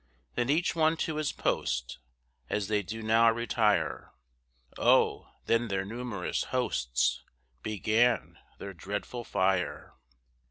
Then each one to his post, As they do now retire; Oh, then their numerous hosts Began their dreadful fire.